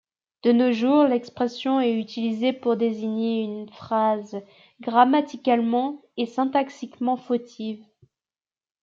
De nos jours, l'expression est utilisée pour désigner une phrase grammaticalement et syntaxiquement fautive.